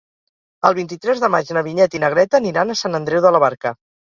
El vint-i-tres de maig na Vinyet i na Greta aniran a Sant Andreu de la Barca.